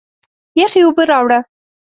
یخي اوبه راړه!